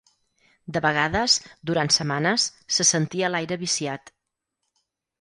De vegades, durant setmanes, se sentia l"aire viciat.